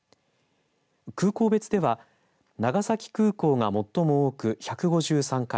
空港別では長崎空港が最も多く、１５３回